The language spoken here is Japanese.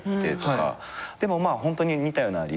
でもまあホントに似たような理由で。